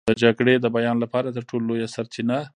د جګړې د بیان لپاره تر ټولو لویه سرچینه.